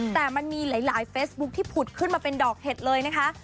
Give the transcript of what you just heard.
แต่มันมีหลายเฟซบุ๊คที่ผุดขึ้นมาเป็นดอกเห็ดเลยนะคะ